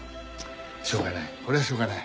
しょうがないこれはしょうがない。